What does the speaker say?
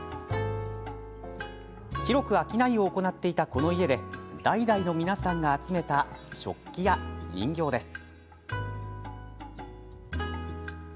広く商いを行っていたこの家で代々の皆さんが集めた食器や人形です。